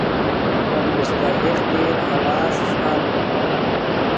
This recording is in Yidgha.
پے مستحق دیر آواز ݰیکابے